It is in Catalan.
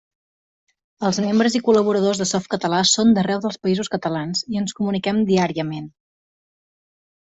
Els membres i col·laboradors de Softcatalà són d'arreu dels Països Catalans i ens comuniquem diàriament.